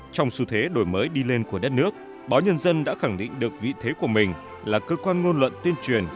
trong xu thế đổi mới đi lên của đất nước báo nhân dân đã khẳng định được vị thế của mình là cơ quan ngôn luận tuyên truyền